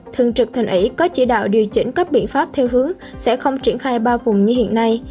thường trực thành ủy có chỉ đạo điều chỉnh các biện pháp theo hướng sẽ không triển khai ba vùng như hiện nay